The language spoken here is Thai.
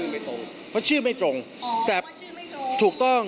เพราะชื่อไม่ตรง